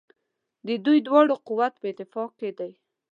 د دوی دواړو قوت په اتفاق کې دی.